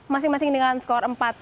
masing masing dengan skor empat satu